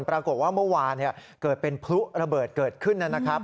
ปรากฏว่าเมื่อวานเกิดเป็นพลุระเบิดเกิดขึ้นนะครับ